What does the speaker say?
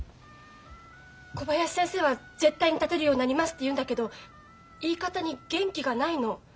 小林先生は絶対に立てるようになりますって言うんだけど言い方に元気がないの。